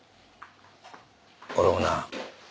俺もな